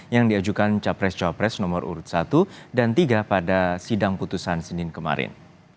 yang diajukan capres capres nomor urut satu dan tiga pada sidang putusan senin kemarin